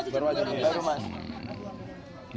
baru aja baru mas